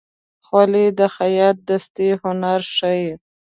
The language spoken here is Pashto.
خولۍ د خیاط دستي هنر ښيي.